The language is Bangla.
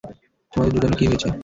তোমাদের দুজনের কি হয়েছে?